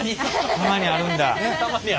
たまにあるんだ。